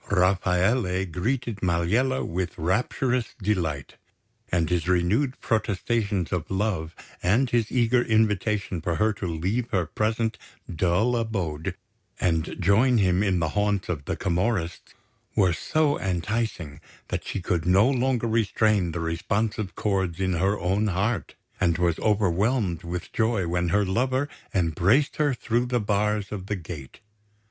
Rafaele greeted Maliella with rapturous delight; and his renewed protestations of love and his eager invitation for her to leave her present dull abode and join him in the haunts of the Camorrists were so enticing that she could no longer restrain the responsive chords in her own heart, and was overwhelmed with joy when her lover embraced her through the bars of the gate.